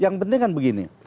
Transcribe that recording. yang penting kan begini